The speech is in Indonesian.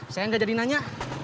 saya nggak jadi nanya